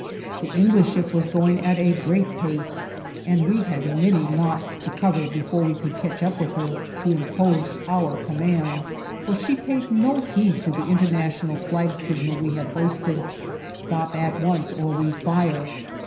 The English ship was going at a great pace, and we had many knots to cover before we could catch up with her to impose our commands, for she paid no heed to the international flag signal we had hoisted "Stop at once or we fire!"